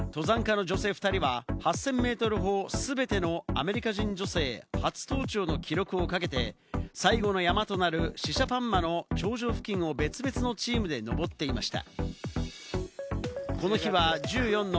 登山家の女性２人は８０００メートル峰、全てのアメリカ人女性で初登頂の記録をかけて、最後の山となるシシャパンマの頂上付近を別々のチームで登っていました。